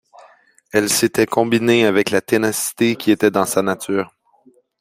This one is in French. Elles s’étaient combinées avec la ténacité qui était dans sa nature.